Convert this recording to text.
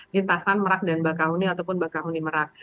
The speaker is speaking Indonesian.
lintasan merak dan bakahuni ataupun bakahuni merak